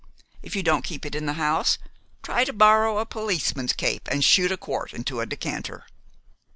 If you don't keep it in the house, try to borrow a policeman's cape and shoot a quart into a decanter."